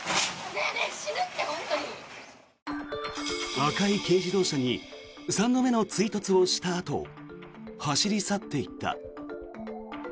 赤い軽自動車に３度目の追突をしたあと走り去っていった。